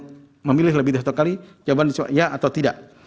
tidak terdapat pemilih yang memilih lebih dari satu kali jawaban disewak ya atau tidak